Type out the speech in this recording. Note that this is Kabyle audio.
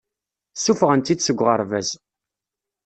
Ssufɣen-tt-id seg uɣerbaz.